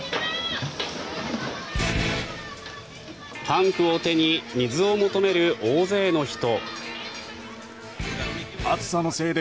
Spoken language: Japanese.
タンクを手に水を求める大勢の人。